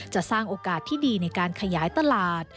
จะสร้างโอกาสที่ดีในการขยายตลาด